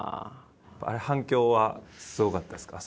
あれ反響はすごかったですか？